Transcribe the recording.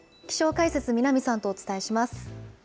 気象解説、南さんとお伝えします。